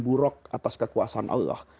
buruk atas kekuasaan allah